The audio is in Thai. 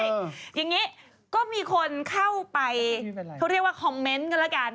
อย่างนี้ก็มีคนเข้าไปเขาเรียกว่าคอมเมนต์ก็แล้วกัน